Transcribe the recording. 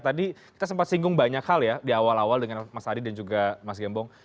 tadi kita sempat singgung banyak hal ya di awal awal dengan mas adi dan juga mas gembong